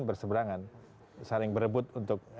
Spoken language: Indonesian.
berseberangan saling berebut untuk